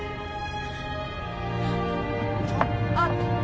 あっ！